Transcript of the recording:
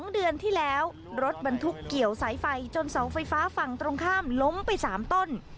๒เดือนที่แล้วรถบรรทุกเกี่ยวสายไฟจนเสาไฟฟ้าฝั่งตรงข้ามล้มไป๓ต้น